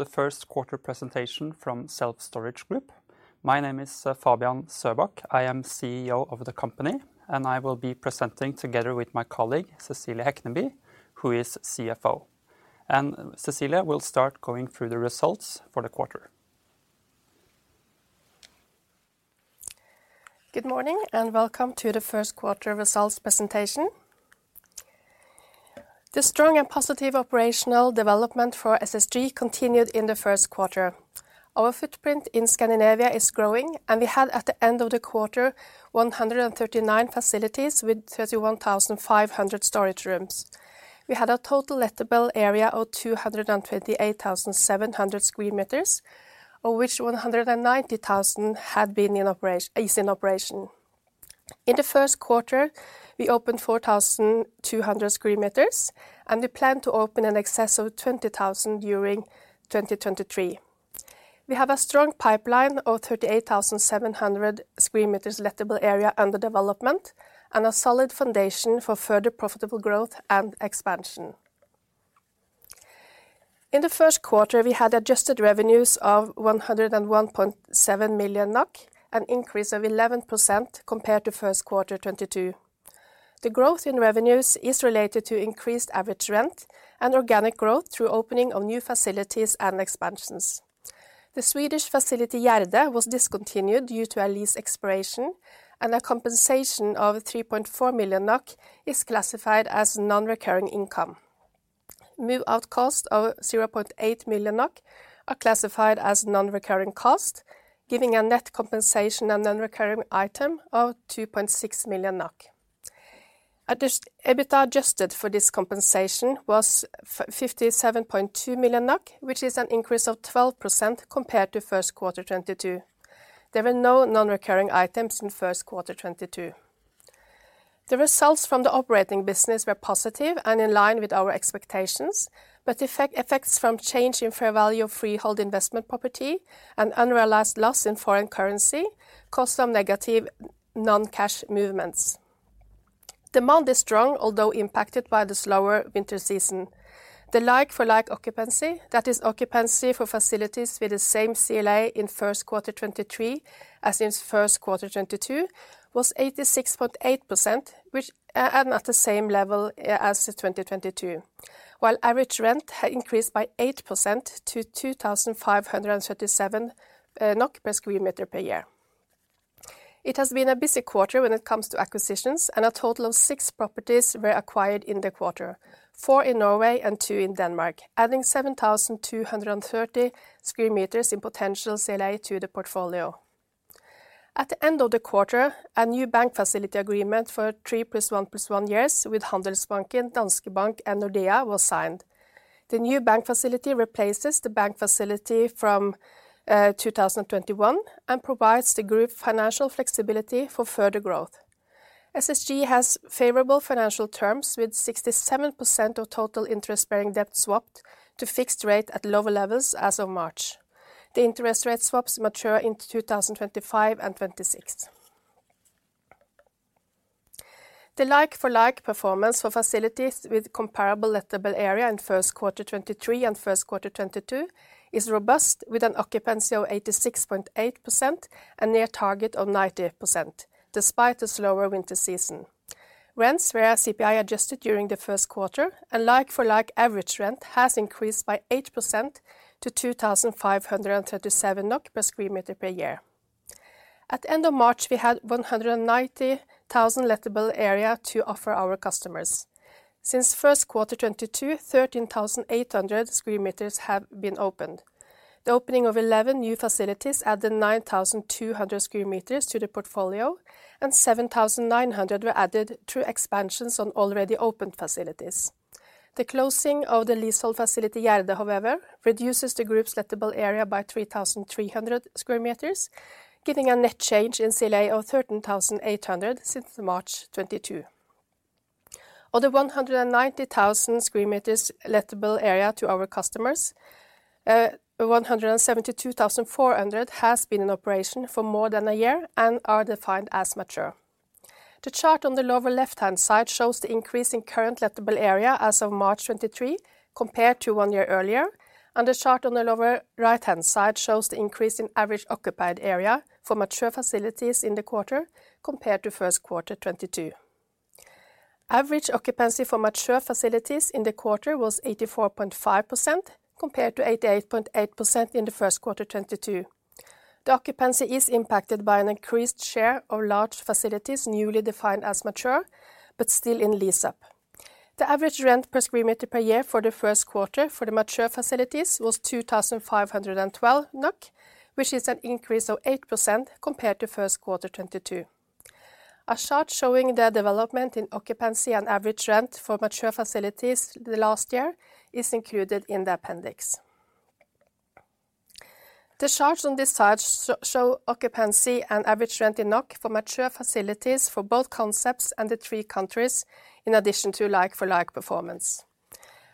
The Q1 presentation from Self Storage Group. My name is Fabian Søbak. I am CEO of the company, and I will be presenting together with my colleague, Cecilie Hekneby, who is CFO. Cecilie will start going through the results for the quarter. Good morning, welcome to the Q1 results presentation. The strong and positive operational development for SSG continued in the Q1. Our footprint in Scandinavia is growing, and we had, at the end of the quarter, 139 facilities with 31,500 storage rooms. We had a total lettable area of 228,700 square meters, of which 190,000 is in operation. In the Q1, we opened 4,200 square meters, and we plan to open in excess of 20,000 during 2023. We have a strong pipeline of 38,700 square meters lettable area under development, and a solid foundation for further profitable growth and expansion. In the Q1, we had adjusted revenues of 101.7 million NOK, an increase of 11% compared to Q1 '22. The growth in revenues is related to increased average rent and organic growth through opening of new facilities and expansions. The Swedish facility, Gärdet, was discontinued due to a lease expiration, and a compensation of 3.4 million NOK is classified as non-recurring income. Move-out cost of 0.8 million NOK are classified as non-recurring cost, giving a net compensation and non-recurring item of 2.6 million NOK. EBITDA adjusted for this compensation was 57.2 million NOK, which is an increase of 12% compared to Q1 '22. There were no non-recurring items in Q1 '22. The results from the operating business were positive and in line with our expectations, effects from change in fair value of freehold investment property and unrealized loss in foreign currency cost some negative non-cash movements. Demand is strong, although impacted by the slower winter season. The like-for-like occupancy, that is occupancy for facilities with the same CLA in Q1 2023 as in Q1 2022, was 86.8%, which at the same level as the 2022. Average rent increased by 8% to 2,537 NOK per square meter per year. It has been a busy quarter when it comes to acquisitions, a total of six properties were acquired in the quarter. Four in Norway and two in Denmark, adding 7,230 square meters in potential CLA to the portfolio. At the end of the quarter, a new bank facility agreement for 3 plus 1 plus 1 years with Handelsbanken, Danske Bank, and Nordea was signed. The new bank facility replaces the bank facility from 2021 and provides the group financial flexibility for further growth. SSG has favorable financial terms with 67% of total interest-bearing debt swapped to fixed rate at lower levels as of March. The interest rate swaps mature into 2025 and 2026. The like-for-like performance for facilities with comparable lettable area in Q1 2023 and Q1 2022 is robust, with an occupancy of 86.8% and near target of 90%, despite the slower winter season. Rents were CPI adjusted during the Q1, and like-for-like average rent has increased by 8% to 2,537 NOK per square meter per year. At end of March, we had 190,000 lettable area to offer our customers. Since Q1 2022, 13,800 square meters have been opened. The opening of 11 new facilities added 9,200 square meters to the portfolio, and 7,900 were added through expansions on already opened facilities. The closing of the leasehold facility, Gärdet, however, reduces the group's lettable area by 3,300 square meters, giving a net change in CLA of 13,800 since March 2022. Of the 190,000 square meters lettable area to our customers, 172,400 has been in operation for more than a year and are defined as mature. The chart on the lower left-hand side shows the increase in Current Lettable Area as of March 2023 compared to one year earlier. The chart on the lower right-hand side shows the increase in average occupied area for mature facilities in the quarter compared to Q1 2022. Average occupancy for mature facilities in the quarter was 84.5% compared to 88.8% in the Q1 2022. The occupancy is impacted by an increased share of large facilities newly defined as mature, but still in lease-up. The average rent per square meter per year for the Q1 for the mature facilities was 2,512 NOK, which is an increase of 8% compared to Q1 2022. A chart showing the development in occupancy and average rent for mature facilities the last year is included in the appendix. The charts on this slide show occupancy and average rent in NOK for mature facilities for both concepts and the three countries, in addition to like-for-like performance.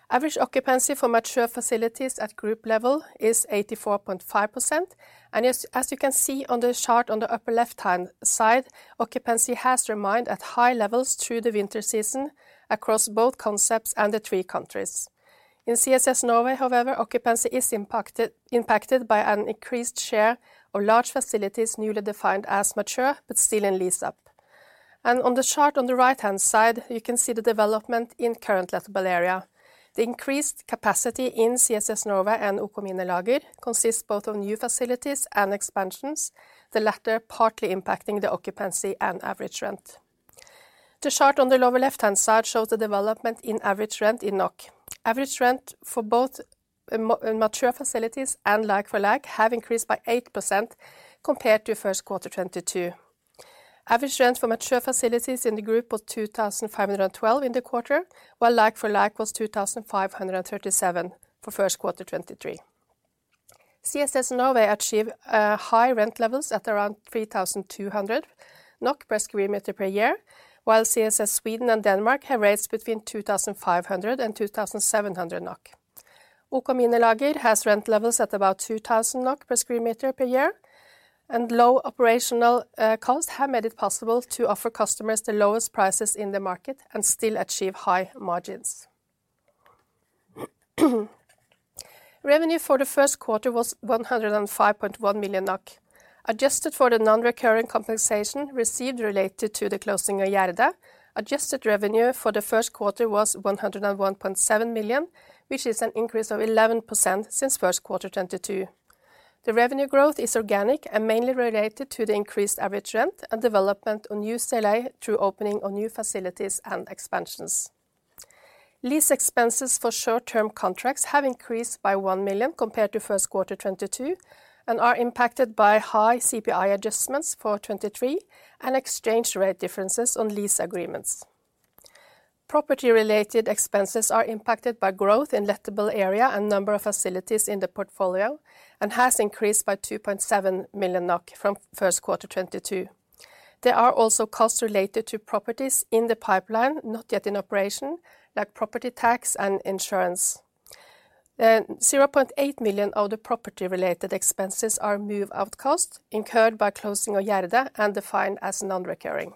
Average occupancy for mature facilities at group level is 84.5%. As you can see on the chart on the upper left-hand side, occupancy has remained at high levels through the winter season across both concepts and the three countries. In CSS Norway, however, occupancy is impacted by an increased share of large facilities newly defined as mature but still in lease up. On the chart on the right-hand side, you can see the development in Current Lettable Area. The increased capacity in CSS Norway and OK Minilager consists both of new facilities and expansions, the latter partly impacting the occupancy and average rent. The chart on the lower left-hand side shows the development in average rent in NOK. Average rent for both in mature facilities and like-for-like have increased by 8% compared to Q1 2022. Average rent for mature facilities in the group was 2,512 NOK in the quarter, while like-for-like was 2,537 NOK for Q1 2023. CSS Norway achieve high rent levels at around 3,200 NOK per square meter per year, while CSS Sweden and Denmark have rates between 2,500-2,700 NOK. OK Minilager has rent levels at about 2,000 NOK per square meter per year, and low operational cost have made it possible to offer customers the lowest prices in the market and still achieve high margins. Revenue for the Q1 was 105.1 million. Adjusted for the non-recurring compensation received related to the closing of Gärdet, adjusted revenue for the Q1 was 101.7 million, which is an increase of 11% since Q1 2022. The revenue growth is organic and mainly related to the increased average rent and development on new CLA through opening of new facilities and expansions. Lease expenses for short-term contracts have increased by 1 million compared to Q1 2022 and are impacted by high CPI adjustments for 2023 and exchange rate differences on lease agreements. Property-related expenses are impacted by growth in lettable area and number of facilities in the portfolio and has increased by 2.7 million NOK from Q1 2022. There are also costs related to properties in the pipeline, not yet in operation, like property tax and insurance. 0.8 million of the property-related expenses are move-out cost incurred by closing of Gärdet and defined as non-recurring.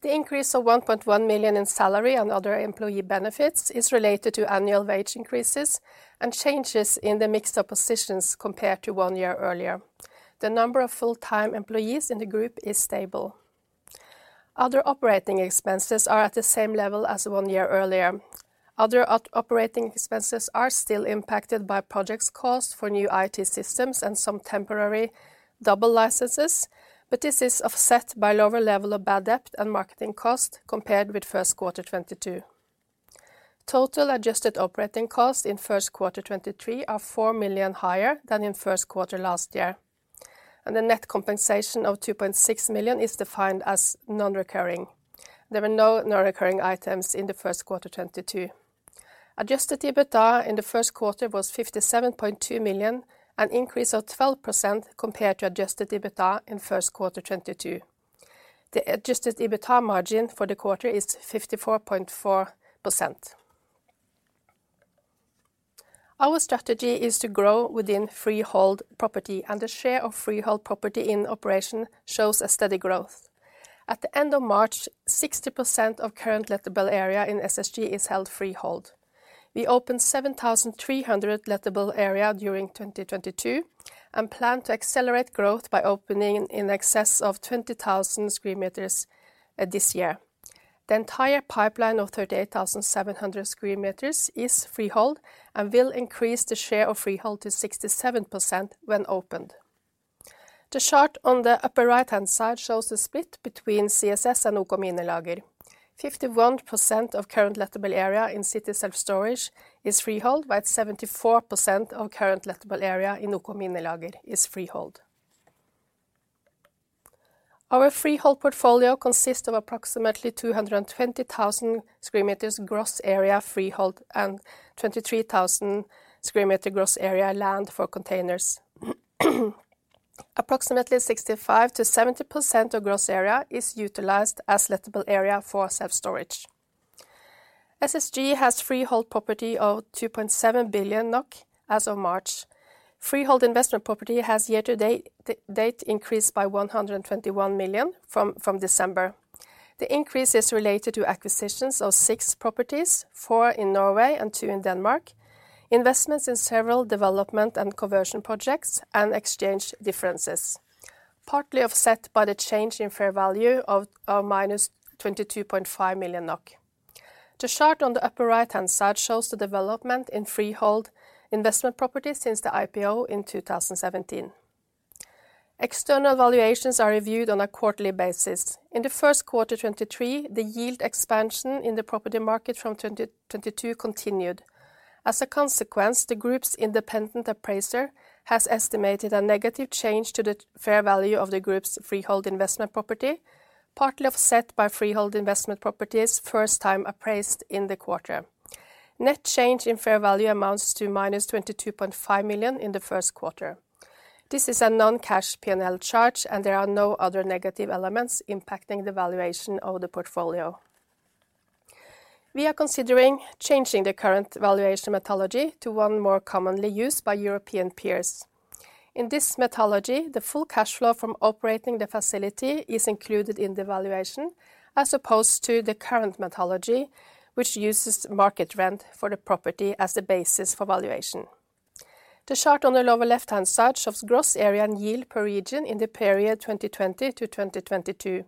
The increase of 1.1 million in salary and other employee benefits is related to annual wage increases and changes in the mix of positions compared to one year earlier. The number of full-time employees in the group is stable. Other operating expenses are at the same level as one year earlier. Other operating expenses are still impacted by projects cost for new IT systems and some temporary double licenses, but this is offset by lower level of bad debt and marketing cost compared with Q1 2022. Total adjusted operating costs in Q1 2023 are 4 million higher than in Q1 last year. The net compensation of 2.6 million is defined as non-recurring. There were no non-recurring items in the Q1 2022. Adjusted EBITDA in the Q1 was 57.2 million, an increase of 12% compared to Adjusted EBITDA in Q1 2022. The Adjusted EBITDA margin for the quarter is 54.4%. Our strategy is to grow within freehold property. The share of freehold property in operation shows a steady growth. At the end of March, 60% of Current Lettable Area in SSG is held freehold. We opened 7,300 lettable area during 2022. We plan to accelerate growth by opening in excess of 20,000 square meters this year. The entire pipeline of 38,700 square meters is freehold and will increase the share of freehold to 67% when opened. The chart on the upper right-hand side shows the split between CSS and OK Minilager. 51% of current lettable area in City Self-Storage is freehold, while 74% of current lettable area in OK Minilager is freehold. Our freehold portfolio consists of approximately 220,000 square meters gross area freehold and 23,000 square meter gross area land for containers. Approximately 65%-70% of gross area is utilized as lettable area for self-storage. SSG has freehold property of 2.7 billion NOK as of March. Freehold investment property has year to date increased by 121 million from December. The increase is related to acquisitions of 6 properties, 4 in Norway and 2 in Denmark, investments in several development and conversion projects, and exchange differences, partly offset by the change in fair value of minus 22.5 million NOK. The chart on the upper right-hand side shows the development in freehold investment property since the IPO in 2017. External valuations are reviewed on a quarterly basis. In the first quarter 2023, the yield expansion in the property market from 2022 continued. As a consequence, the group's independent appraiser has estimated a negative change to the fair value of the group's freehold investment property, partly offset by freehold investment properties first time appraised in the quarter. Net change in fair value amounts to -22.5 million in the Q1. This is a non-cash PNL charge, and there are no other negative elements impacting the valuation of the portfolio. We are considering changing the current valuation methodology to one more commonly used by European peers. In this methodology, the full cash flow from operating the facility is included in the valuation, as opposed to the current methodology, which uses market rent for the property as the basis for valuation. The chart on the lower left-hand side shows gross area and yield per region in the period 2020-2022.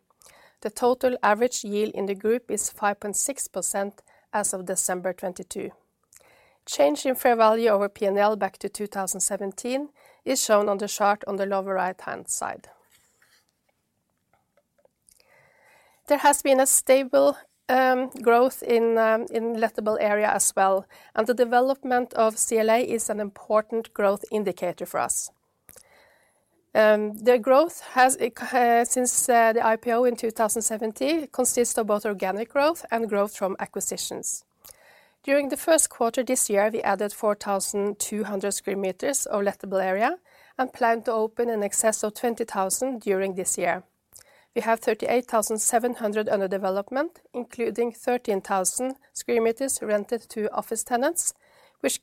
The total average yield in the group is 5.6% as of December 2022. Change in fair value over PNL back to 2017 is shown on the chart on the lower right-hand side. There has been a stable growth in lettable area as well, and the development of CLA is an important growth indicator for us. The growth since the IPO in 2017 consists of both organic growth and growth from acquisitions. During the this year, we added 4,200 square meters of lettable area and plan to open in excess of 20,000 during this year. We have 38,700 under development, including 13,000 square meters rented to office tenants, which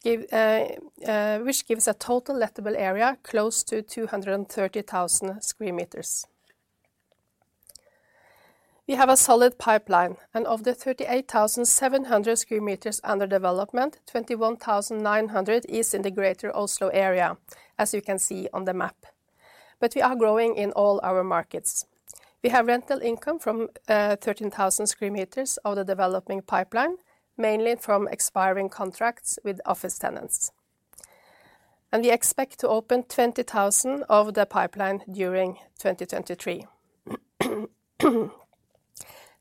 gives a total lettable area close to 230,000 square meters. We have a solid pipeline, and of the 38,700 square meters under development, 21,900 is in the Greater Oslo area, as you can see on the map. We are growing in all our markets. We have rental income from 13,000 square meters of the developing pipeline, mainly from expiring contracts with office tenants. We expect to open 20,000 of the pipeline during 2023.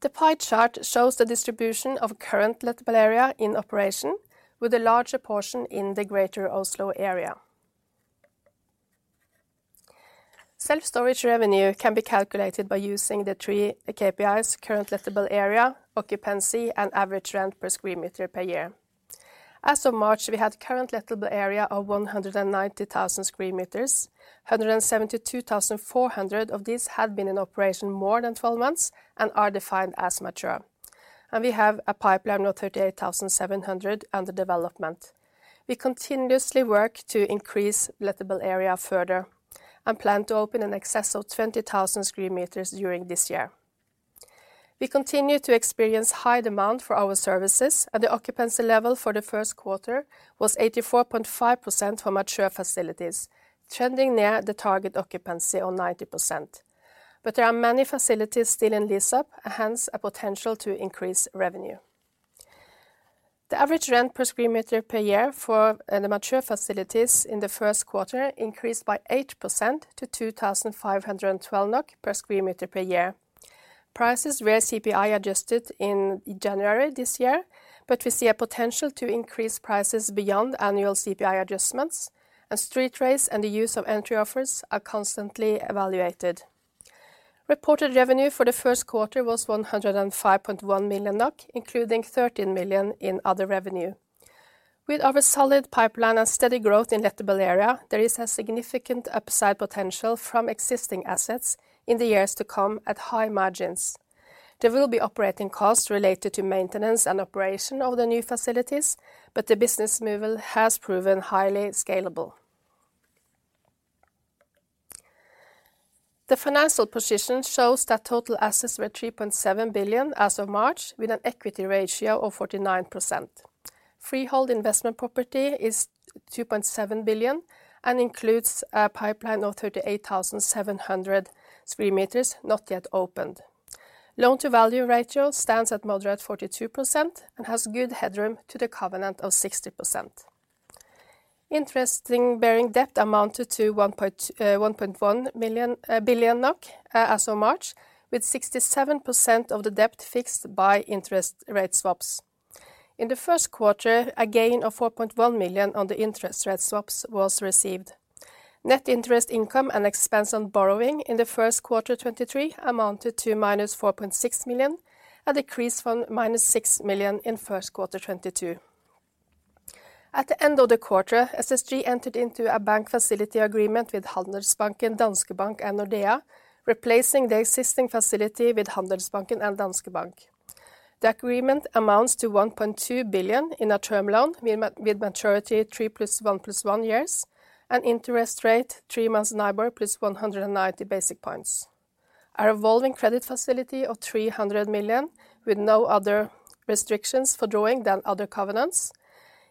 The pie chart shows the distribution of current lettable area in operation, with a larger portion in the Greater Oslo area. Self-storage revenue can be calculated by using the three KPIs, current lettable area, occupancy, and average rent per square meter per year. As of March, we had current lettable area of 190,000 square meters. 172,400 of these had been in operation more than 12 months and are defined as mature. We have a pipeline of 38,700 under development. We continuously work to increase lettable area further and plan to open in excess of 20,000 square meters during this year. The occupancy level for the Q1 was 84.5% for mature facilities, trending near the target occupancy of 90%. There are many facilities still in lease-up, hence a potential to increase revenue. The average rent per square meter per year for the mature facilities in the Q1 increased by 8% to 2,512 NOK per square meter per year. Prices were CPI-adjusted in January this year. We see a potential to increase prices beyond annual CPI adjustments. Street rates and the use of entry offers are constantly evaluated. Reported revenue for the Q1 was 105.1 million NOK, including 13 million in other revenue. With our solid pipeline and steady growth in lettable area, there is a significant upside potential from existing assets in the years to come at high margins. There will be operating costs related to maintenance and operation of the new facilities, but the business model has proven highly scalable. The financial position shows that total assets were 3.7 billion as of March, with an equity ratio of 49%. Freehold investment property is 2.7 billion and includes a pipeline of 38,700 square meters not yet opened. Loan-to-value ratio stands at moderate 42% and has good headroom to the covenant of 60%. Interest-bearing debt amounted to 1.1 billion NOK as of March, with 67% of the debt fixed by interest rate swaps. In the Q1, a gain of 4.1 million on the interest rate swaps was received. Net interest income and expense on borrowing in the Q1 2023 amounted to -4.6 million, a decrease from -6 million in first quarter 2022. At the end of the quarter, SSG entered into a bank facility agreement with Handelsbanken, Danske Bank, and Nordea, replacing the existing facility with Handelsbanken and Danske Bank. The agreement amounts to 1.2 billion in a term loan with maturity 3 + 1 + 1 years and interest rate three months NIBOR plus 190 basic points. Our revolving credit facility of 300 million, with no other restrictions for drawing than other covenants,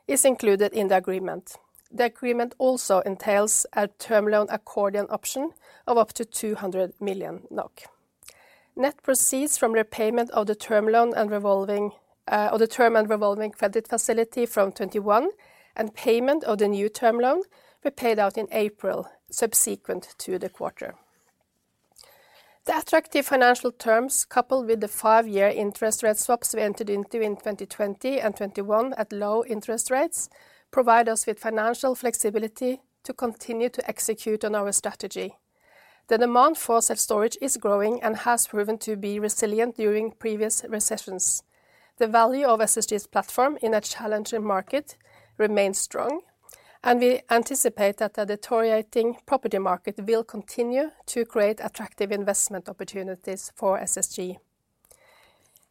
is included in the agreement. The agreement also entails a term loan accordion option of up to 200 million NOK. Net proceeds from repayment of the term loan and of the term and revolving credit facility from 2021 and payment of the new term loan were paid out in April, subsequent to the quarter. The attractive financial terms, coupled with the five-year interest rate swaps we entered into in 2020 and 2021 at low interest rates, provide us with financial flexibility to continue to execute on our strategy. The demand for self-storage is growing and has proven to be resilient during previous recessions. The value of SSG's platform in a challenging market remains strong, and we anticipate that the deteriorating property market will continue to create attractive investment opportunities for SSG.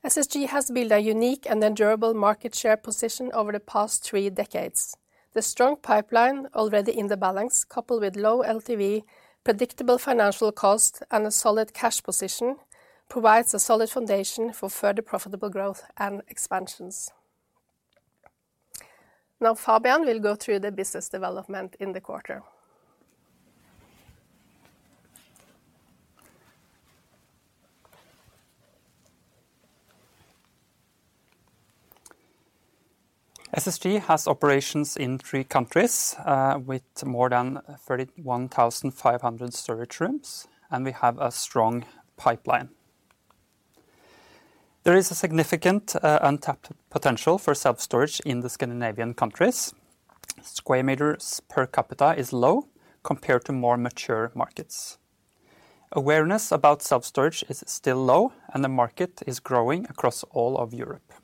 SSG has built a unique and endurable market share position over the past three decades. The strong pipeline already in the balance, coupled with low LTV, predictable financial cost, and a solid cash position, provides a solid foundation for further profitable growth and expansions. Now Fabian will go through the business development in the quarter. SSG has operations in three countries, with more than 31,500 storage rooms. We have a strong pipeline. There is a significant untapped potential for self-storage in the Scandinavian countries. Square meters per capita is low compared to more mature markets. Awareness about self-storage is still low. The market is growing across all of Europe.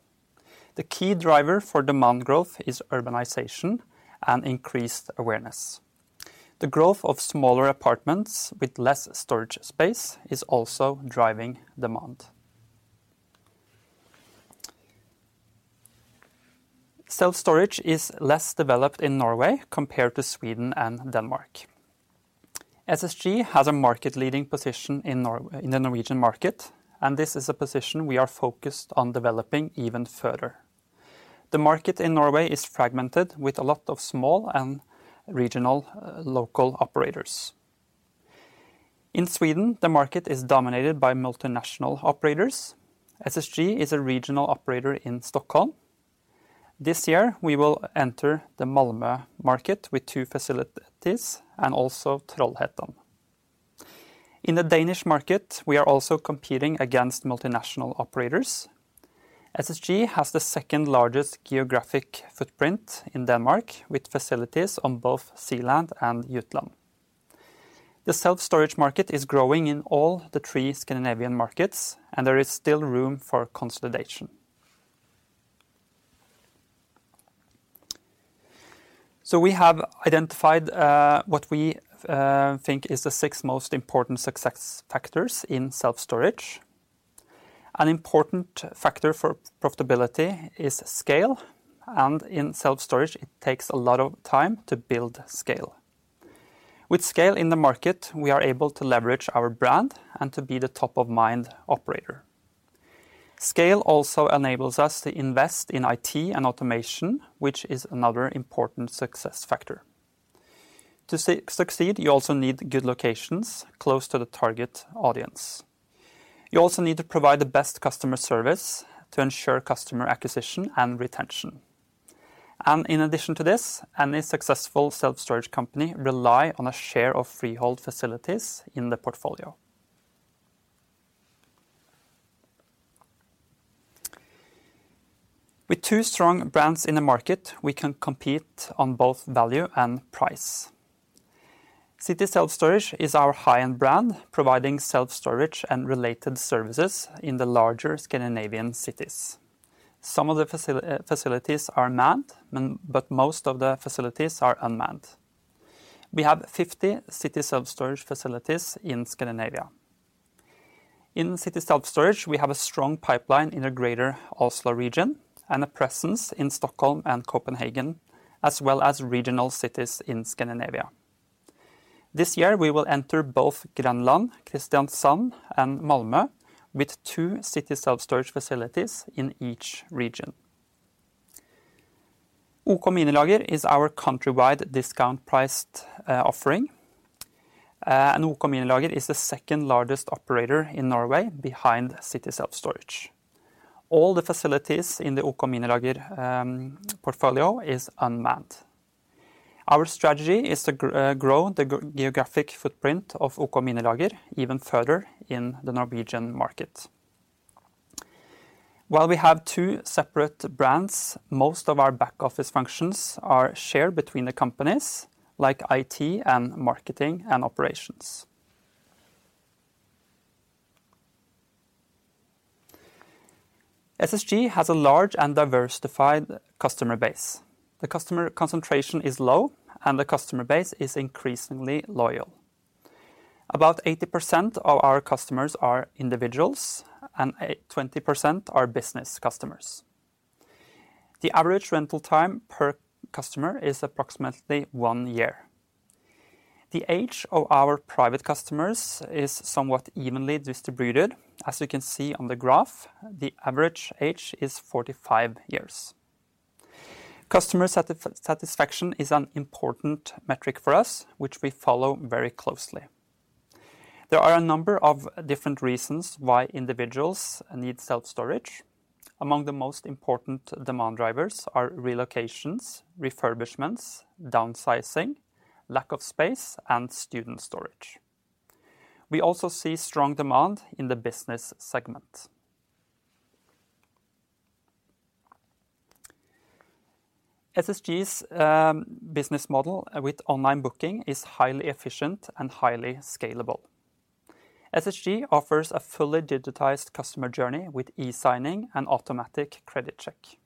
The key driver for demand growth is urbanization and increased awareness. The growth of smaller apartments with less storage space is also driving demand. Self-storage is less developed in Norway compared to Sweden and Denmark. SSG has a market-leading position in the Norwegian market. This is a position we are focused on developing even further. The market in Norway is fragmented, with a lot of small and regional local operators. In Sweden, the market is dominated by multinational operators. SSG is a regional operator in Stockholm. This year, we will enter the Malmö market with two facilities and also Trollhättan. In the Danish market, we are also competing against multinational operators. SSG has the second-largest geographic footprint in Denmark, with facilities on both Zealand and Jutland. The self-storage market is growing in all the three Scandinavian markets, and there is still room for consolidation. We have identified what we think is the six most important success factors in self-storage. An important factor for profitability is scale, and in self-storage, it takes a lot of time to build scale. With scale in the market, we are able to leverage our brand and to be the top-of-mind operator. Scale also enables us to invest in IT and automation, which is another important success factor. To succeed, you also need good locations close to the target audience. You also need to provide the best customer service to ensure customer acquisition and retention. In addition to this, any successful self-storage company rely on a share of freehold facilities in the portfolio. With two strong brands in the market, we can compete on both value and price. City Self-Storage is our high-end brand, providing self-storage and related services in the larger Scandinavian cities. Some of the facilities are manned, but most of the facilities are unmanned. We have 50 City Self-Storage facilities in Scandinavia. In City Self-Storage, we have a strong pipeline in the greater Oslo region and a presence in Stockholm and Copenhagen, as well as regional cities in Scandinavia. This year, we will enter both Grønland, Kristiansand, and Malmö with two City Self-Storage facilities in each region. OK Minilager is our countrywide discount-priced offering. OK Minilager is the second-largest operator in Norway behind City Self-Storage. All the facilities in the OK Minilager portfolio is unmanned. Our strategy is to grow the geographic footprint of OK Minilager even further in the Norwegian market. While we have two separate brands, most of our back office functions are shared between the companies, like IT and marketing and operations. SSG has a large and diversified customer base. The customer concentration is low, and the customer base is increasingly loyal. About 80% of our customers are individuals, and 20% are business customers. The average rental time per customer is approximately one year. The age of our private customers is somewhat evenly distributed. As you can see on the graph, the average age is 45 years. Customer satisfaction is an important metric for us, which we follow very closely. There are a number of different reasons why individuals need self-storage. Among the most important demand drivers are relocations, refurbishments, downsizing, lack of space, and student storage. We also see strong demand in the business segment. SSG's business model with online booking is highly efficient and highly scalable. SSG offers a fully digitized customer journey with e-signing and automatic credit check.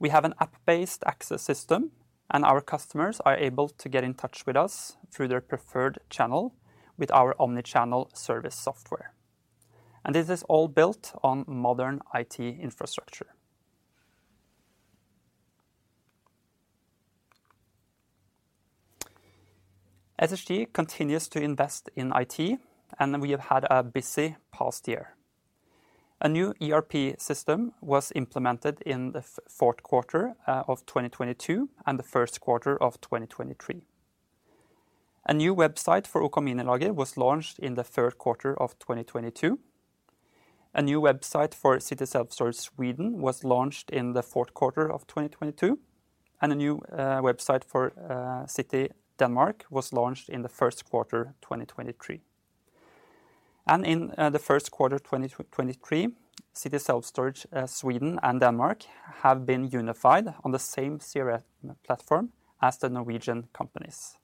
We have an app-based access system, and our customers are able to get in touch with us through their preferred channel with our omni-channel service software. This is all built on modern IT infrastructure. SSG continues to invest in IT. We have had a busy past year. A new ERP system was implemented in the Q4of 2022 and the Q1 of 2023. A new website for OK Minilager was launched in the Q3 of 2022. A new website for City Self-Storage Sweden was launched in the Q4 of 2022, a new website for City Denmark was launched in the Q1, 2023. In the Q1 2023, City Self-Storage Sweden and Denmark have been unified on the same CRM platform as the Norwegian companies.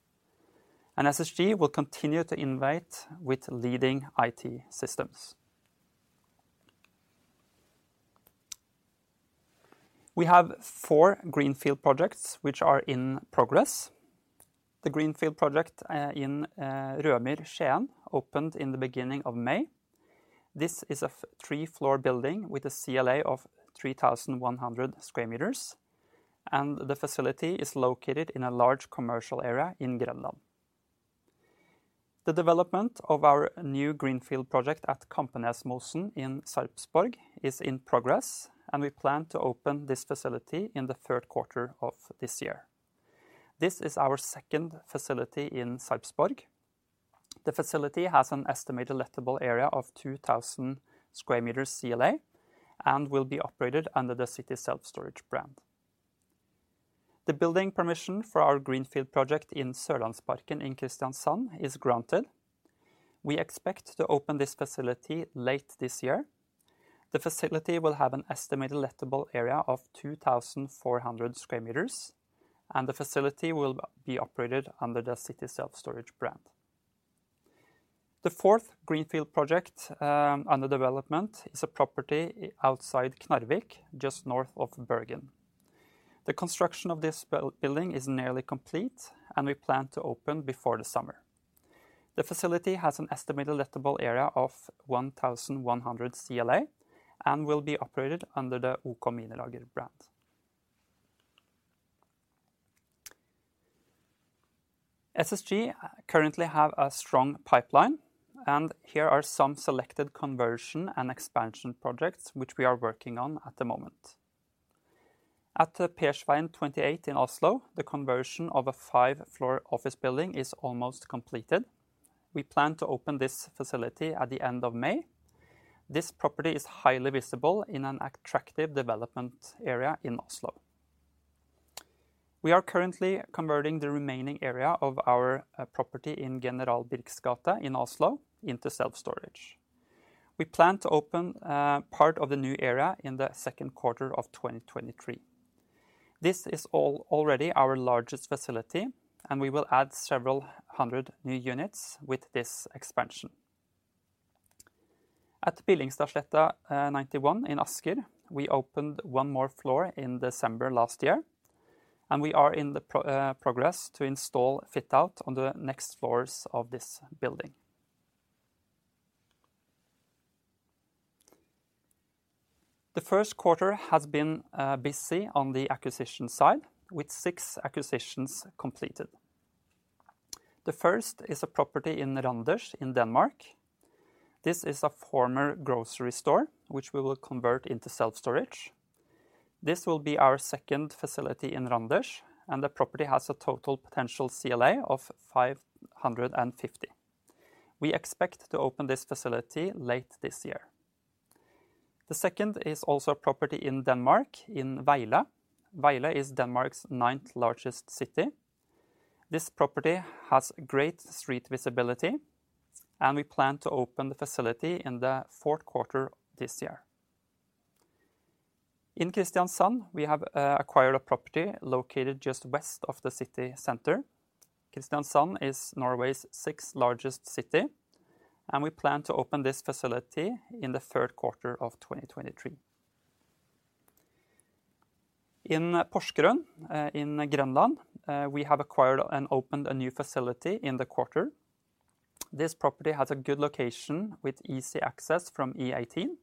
SSG will continue to innovate with leading IT systems. We have four greenfield projects which are in progress. The greenfield project in Rødmyr in Skien opened in the beginning of May. This is a three-floor building with a CLA of 3,100 square meters, the facility is located in a large commercial area in Grenland. The development of our new greenfield project at Kampenesmosen in Sarpsborg is in progress, we plan to open this facility in the Q3 of this year. This is our second facility in Sarpsborg. The facility has an estimated lettable area of 2,000 square meters CLA and will be operated under the City Self-Storage brand. The building permission for our greenfield project in Sørlandsparken in Kristiansand is granted. We expect to open this facility late this year. The facility will have an estimated lettable area of 2,400 square meters, and the facility will be operated under the City Self-Storage brand. The fourth greenfield project, under development is a property outside Knarvik, just north of Bergen. The construction of this building is nearly complete, and we plan to open before the summer. The facility has an estimated lettable area of 1,100 CLA and will be operated under the OK Minilager brand. SSG currently have a strong pipeline. Here are some selected conversion and expansion projects which we are working on at the moment. At the Persveien 28 in Oslo, the conversion of a 5-floor office building is almost completed. We plan to open this facility at the end of May. This property is highly visible in an attractive development area in Oslo. We are currently converting the remaining area of our property in General Birchs gate in Oslo into self-storage. We plan to open part of the new area in the Q2 of 2023. This is already our largest facility. We will add several hundred new units with this expansion. At Billingstadsletta 91 in Asker, we opened one more floor in December last year. We are in the progress to install fit-out on the next floors of this building. The Q1 has been busy on the acquisition side, with 6 acquisitions completed. The first is a property in Randers in Denmark. This is a former grocery store, which we will convert into self-storage. This will be our second facility in Randers, and the property has a total potential CLA of 550. We expect to open this facility late this year. The second is also a property in Denmark in Vejle. Vejle is Denmark's 9th-largest city. This property has great street visibility, and we plan to open the facility in the Q4 this year. In Kristiansand, we have acquired a property located just west of the city center. Kristiansand is Norway's 6th-largest city, and we plan to open this facility in the Q3 of 2023. In Porsgrunn, in Grenland, we have acquired and opened a new facility in the quarter. This property has a good location with easy access from E18.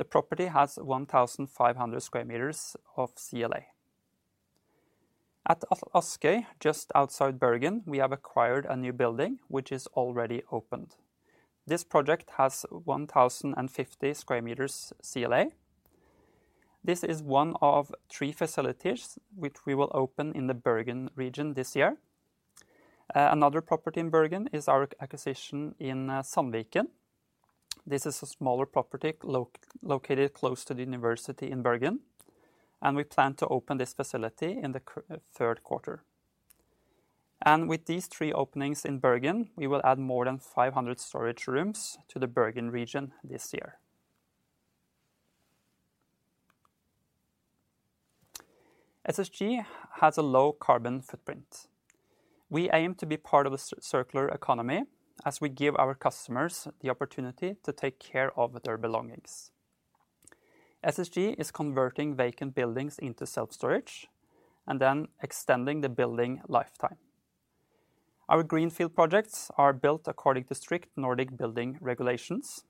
The property has 1,500 square meters of CLA. At Askøy, just outside Bergen, we have acquired a new building, which is already opened. This project has 1,050 square meters CLA. This is one of three facilities which we will open in the Bergen region this year. Another property in Bergen is our acquisition in Sandviken. This is a smaller property located close to the University in Bergen, we plan to open this facility in the Q3. With these three openings in Bergen, we will add more than 500 storage rooms to the Bergen region this year. SSG has a low carbon footprint. We aim to be part of a circular economy as we give our customers the opportunity to take care of their belongings. SSG is converting vacant buildings into self-storage and then extending the building lifetime. Our greenfield projects are built according to strict Nordic building regulations.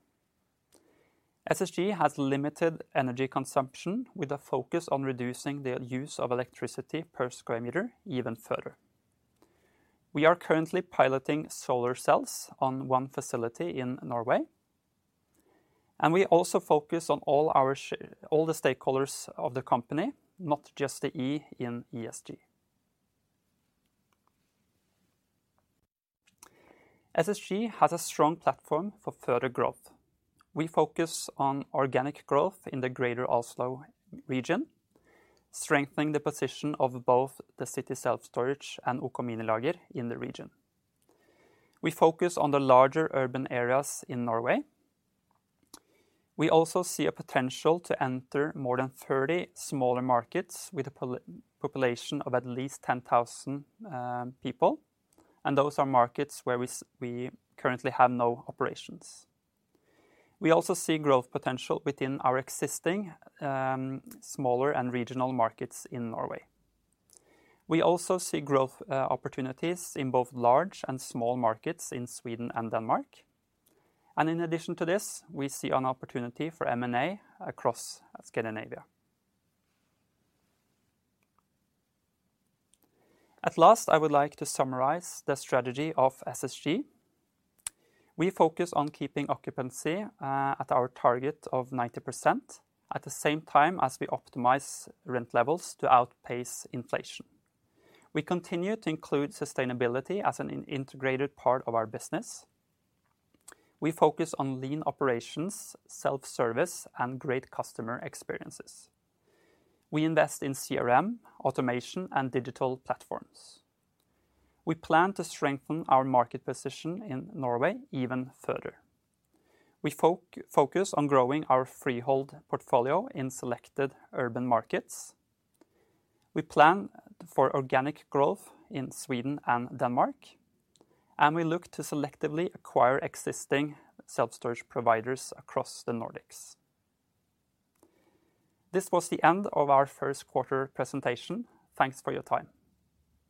SSG has limited energy consumption with a focus on reducing the use of electricity per square meter even further. We are currently piloting solar cells on one facility in Norway, and we also focus on all the stakeholders of the company, not just the E in ESG. SSG has a strong platform for further growth. We focus on organic growth in the greater Oslo region, strengthening the position of both the City Self-Storage and OK Minilager in the region. We focus on the larger urban areas in Norway. We also see a potential to enter more than 30 smaller markets with a population of at least 10,000 people, and those are markets where we currently have no operations. We also see growth potential within our existing, smaller and regional markets in Norway. We also see growth opportunities in both large and small markets in Sweden and Denmark. In addition to this, we see an opportunity for M&A across Scandinavia. At last, I would like to summarize the strategy of SSG. We focus on keeping occupancy at our target of 90% at the same time as we optimize rent levels to outpace inflation. We continue to include sustainability as an integrated part of our business. We focus on lean operations, self-service, and great customer experiences. We invest in CRM, automation, and digital platforms. We plan to strengthen our market position in Norway even further. We focus on growing our freehold portfolio in selected urban markets. We plan for organic growth in Sweden and Denmark, and we look to selectively acquire existing self-storage providers across the Nordics. This was the end of our Q1 presentation. Thanks for your time.